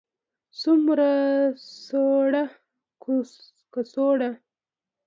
څومره, څوړه، کڅوړه